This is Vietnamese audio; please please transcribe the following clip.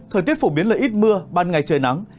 thời tiết phổ biến là ít mưa ban ngày trời nắng